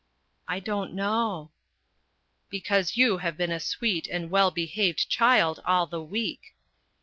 " I don't know." " Because you have been a sweet and well behaved child all the week."